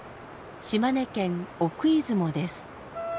島根県奥出雲です。